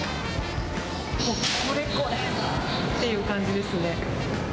これ、これっていう感じですね。